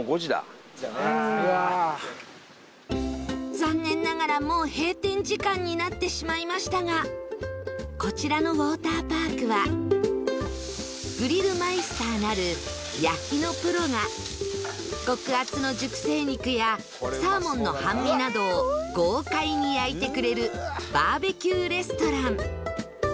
残念ながらもう閉店時間になってしまいましたがこちらのウォーターパークはグリルマイスターなる焼きのプロが極厚の熟成肉やサーモンの半身などを豪快に焼いてくれるバーベキューレストラン